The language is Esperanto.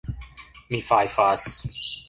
Mi fajfas.